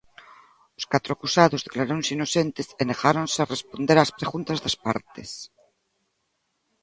Os catro acusados declaráronse inocentes e negáronse a responder ás preguntas das partes.